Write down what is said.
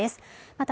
また